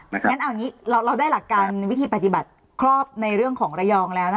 งั้นเอาอย่างนี้เราได้หลักการวิธีปฏิบัติครอบในเรื่องของระยองแล้วนะคะ